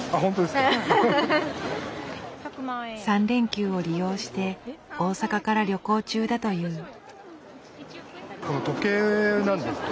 ３連休を利用して大阪から旅行中だという。